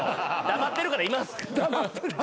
黙ってるからいます。